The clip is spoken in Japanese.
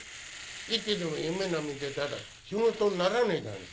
いつでも夢みてたら仕事にならねえじゃない。